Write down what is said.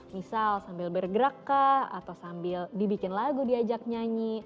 misal sambil bergeraka atau sambil dibikin lagu diajak nyanyi